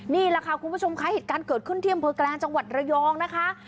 นี่แหละค่ะคุณผู้ชมคะเหตุการณ์เกิดขึ้นที่อำเภอแกลงจังหวัดระยองนะคะ